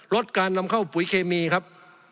ลดการนำเข้าปุ๋ยเคมีครับ